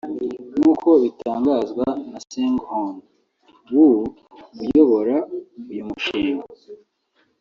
nk’uko bitangazwa na Seunghoon Woo uyobora uyu mushinga